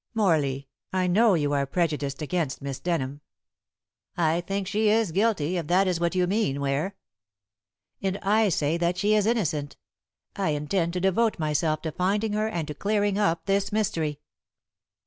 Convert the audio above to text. "Morley, I know you are prejudiced against Miss Denham." "I think she is guilty, if that is what you mean, Ware." "And I say that she is innocent. I intend to devote myself to finding her and to clearing up this mystery."